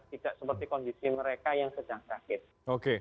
tidak seperti kondisi mereka yang sedang sakit